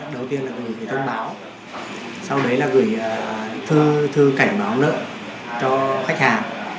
đầu tiên là gửi thông báo sau đấy là gửi thư thư cảnh báo nợ cho khách hàng